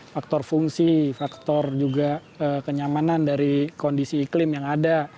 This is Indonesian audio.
faktor fungsi faktor juga kenyamanan dari kondisi iklim yang ada